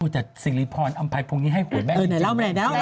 แต่สิริพรอำไพรพรุ่งนี้ให้หัวแม่จริง